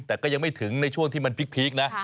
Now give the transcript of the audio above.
แต่ก็ยังไม่ถึงในช่วงที่มันพีคนะ